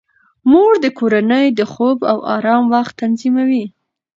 مور د کورنۍ د خوب او آرام وخت تنظیموي.